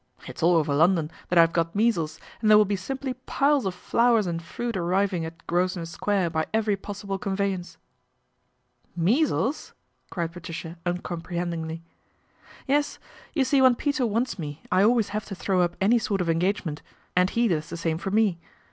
It's all over London that I've got measles, and there will be simply piles of flowers and fruit arriving at Grosvenor Square by every possible conveyance." " Measles !" cried Patricia uncomprehendingly. " Yes, you see when Peter wants me I always have to throw up any sort of engagement, and he does the same for me.